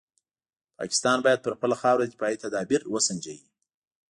پاکستان باید پر خپله خاوره دفاعي تدابیر وسنجوي.